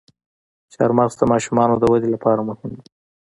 چارمغز د ماشومانو د ودې لپاره مهم دی.